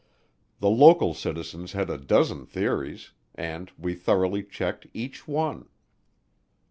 The local citizens had a dozen theories, and we thoroughly checked each one.